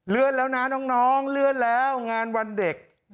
แล้วนะน้องเลื่อนแล้วงานวันเด็ก